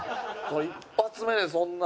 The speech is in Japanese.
一発目でそんな。